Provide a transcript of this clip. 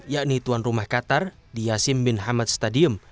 yakni tuan rumah qatar di yasin bin hamed stadium